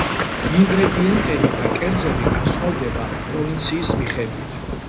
ინგრედიენტები და კერძები განსხვავდება პროვინციის მიხედვით.